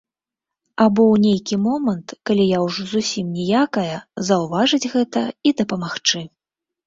Або ў нейкі момант, калі я ўжо зусім ніякая, заўважыць гэта і дапамагчы.